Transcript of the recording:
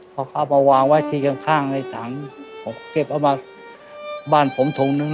พอเขาเอามาวางไว้ที่ข้างในถังผมเก็บเอามาบ้านผมถุงนึง